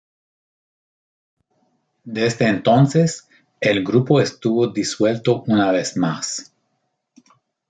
Desde entonces, el grupo estuvo disuelto una vez más.